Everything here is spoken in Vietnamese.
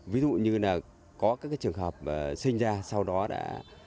ví dụ như là có các trường hợp sinh ra sau đó đã